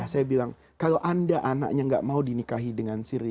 saya bilang kalau anda anaknya gak mau dinikahi dengan siri